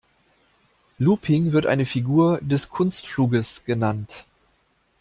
Looping wird eine Figur des Kunstfluges genannt.